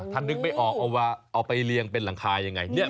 ถ้านึกไม่ออกเอาไปเรียงเป็นหลังคายังไง